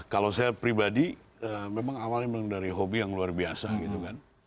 kalau saya pribadi memang awalnya memang dari hobi yang luar biasa gitu kan